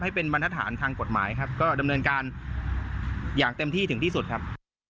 บรรทฐานทางกฎหมายครับก็ดำเนินการอย่างเต็มที่ถึงที่สุดครับ